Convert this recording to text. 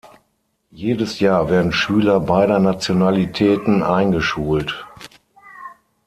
Jedes Jahr werden Schüler beider Nationalitäten eingeschult.